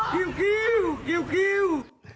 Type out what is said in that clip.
คิวคิวคิวคิว